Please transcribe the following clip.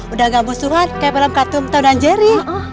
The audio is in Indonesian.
udah nggak mau suruhan kayak pelam katum atau danjeri